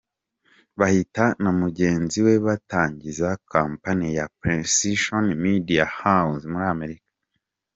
Bahati na mugenzi we batangije Company ya Precision Media House muri Amerika.